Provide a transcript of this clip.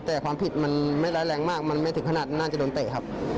แต่ความผิดมันไม่ร้ายแรงมากมันไม่ถึงขนาดน่าจะโดนเตะครับ